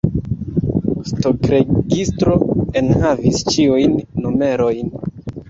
Stokregistro enhavis ĉiujn numerojn.